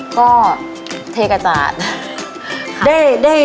ก็เทกอาจารย์